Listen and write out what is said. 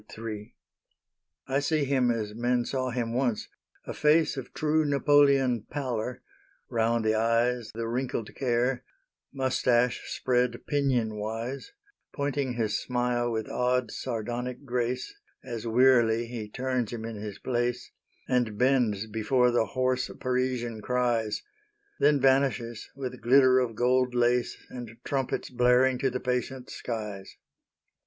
III I see him as men saw him once a face Of true Napoleon pallor; round the eyes The wrinkled care; mustache spread pinion wise, Pointing his smile with odd sardonic grace As wearily he turns him in his place, And bends before the hoarse Parisian cries Then vanishes, with glitter of gold lace And trumpets blaring to the patient skies.